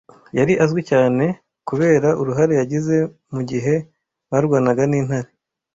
yari azwi cyane kubera uruhare yagize mugihe barwanaga n'intare